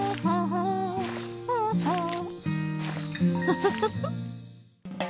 フフフフ。